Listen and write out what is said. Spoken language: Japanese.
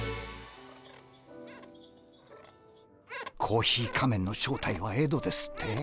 コーヒー仮面の正体はエドですって？